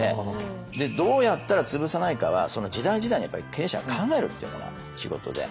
どうやったらつぶさないかはその時代時代に経営者が考えるっていうのが仕事で。